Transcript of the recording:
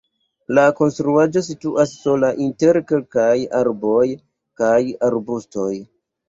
La konstruaĵo situas sola inter kelkaj arboj kaj arbustoj.